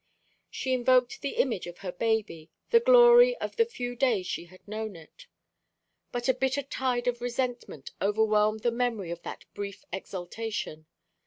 She invoked the image of her baby, the glory of the few days she had known it. But a bitter tide of resentment overwhelmed the memory of that brief exaltation.